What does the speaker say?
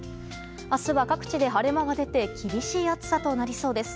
明日は各地で晴れ間が出て厳しい暑さとなりそうです。